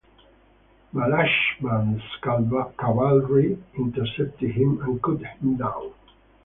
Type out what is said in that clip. Maslamah's cavalry intercepted him and cut him down.